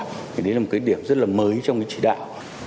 thì đấy là một cái điểm rất là mới trong cái chỉ đạo